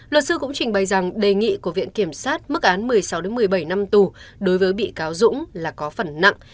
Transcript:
luật sư cũng trình bày rằng đề nghị của viện kiểm sát mức án một mươi sáu một mươi bảy năm tù đối với bị cáo dũng là có phần nặng